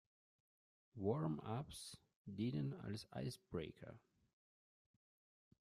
Warm-ups dienen als Icebreaker.